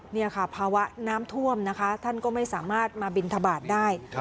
นี่ค่ะภาวะน้ำท่วมนะคะท่านก็ไม่สามารถมาบินทบาทได้